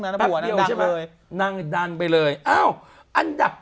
อ่ะในนะเลยนั่งดันไปเลยอ้าวอันดับ